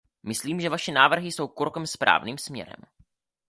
Myslím, že vaše návrhy jsou krokem správným směrem.